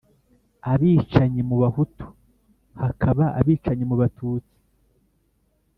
abicanyi mu Bahutu, hakaba abicanyi mu Batutsi,